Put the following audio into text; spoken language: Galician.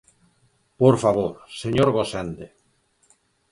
Por favor, señor Gosende.